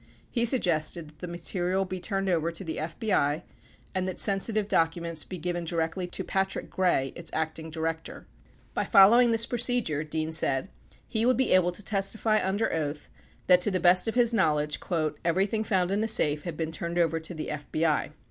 He suggested that the material be turned over to the FBI and that sensitive documents be given directly to Patrick Gray, its Acting Director. 12 By following this procedure, Dean said, he would be able to testify under oath that to the best of his knowledge "everything found in the safe had been turned over to the FBI."